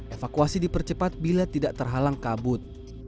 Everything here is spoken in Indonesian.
evakuasi dipercepat bila tidak terhalang kabut